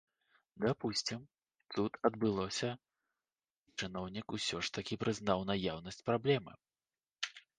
Дапусцім, цуд адбылося, і чыноўнік ўсё ж такі прызнаў наяўнасць праблемы.